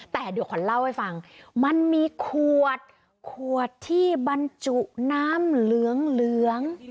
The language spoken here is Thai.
แต่เดี๋ยวขวัญเล่าให้ฟังมันมีขวดขวดที่บรรจุน้ำเหลือง